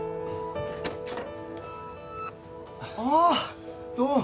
ああどうも。